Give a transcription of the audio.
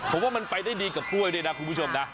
ผมว่ามันไปได้ดีกับกล้วยด้วยนะคุณผู้ชมนะ